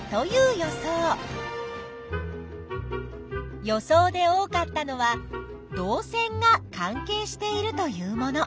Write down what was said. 予想で多かったのは「導線が関係している」というもの。